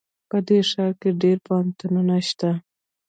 په دې ښار کې ډېر پوهنتونونه شته